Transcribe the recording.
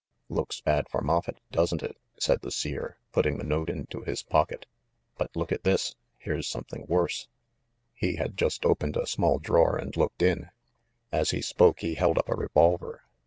1 "Looks bad for Moffett, doesn't it?" said the Seer, putting the note into his pocket. "But look at this! Here's something worse." He had just opened a small drawer and looked in. As he spoke he held up a revolver.